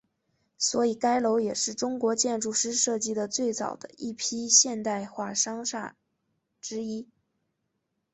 所以该楼也是中国建筑师设计的最早的一批现代化商厦之一。